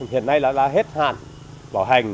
hiện nay là hết hạn bỏ hành